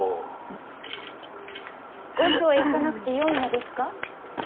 御所へ行かなくてよいのですか。